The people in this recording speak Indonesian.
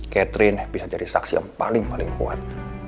catherine bisa jadi saksi yang paling paling kuat